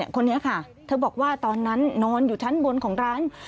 คนนี้ค่ะเธอบอกว่าตอนนั้นนอนอยู่ชั้นบนของร้าน